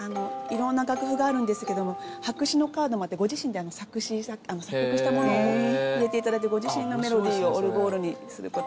色んな楽譜があるんですけども白紙のカードもあってご自身で作曲したものを入れて頂いてご自身のメロディーをオルゴールにする事もできます。